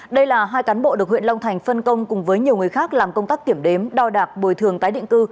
đây là hai cán bộ được huyện long thành phân công cùng với nhiều người khác làm công tác kiểm đếm đo đạc bồi thường tái định cư